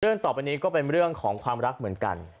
ต่อไปนี้ก็เป็นเรื่องของความรักเหมือนกัน